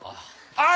ああ。